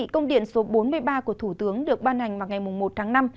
công điện số bốn mươi ba của thủ tướng được ban hành vào ngày một tháng năm